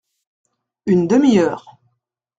Une demi-heure.